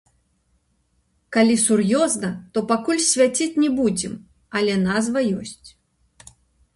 Калі сур'ёзна, то пакуль свяціць не будзем, але назва ёсць.